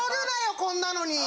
こんなのに。